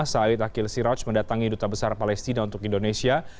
said akhil siraj mendatangi duta besar palestina untuk indonesia